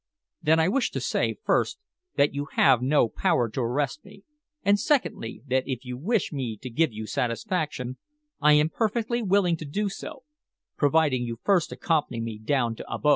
"Then I wish to say, first, that you have no power to arrest me; and, secondly, that if you wish me to give you satisfaction, I am perfectly willing to do so, providing you first accompany me down to Abo."